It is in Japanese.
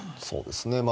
そうですね。